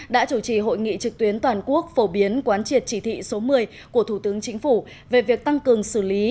đã chủ trì hội nghị trực tuyến toàn quốc phổ biến quán triệt chỉ thị số một mươi của thủ tướng chính phủ về việc tăng cường xử lý